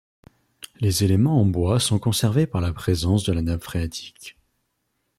Les éléments en bois sont conservés par la présence de la nappe phréatique.